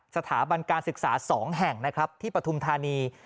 สถาบันการศึกษา๒แห่งนะครับที่ปฐุมธานี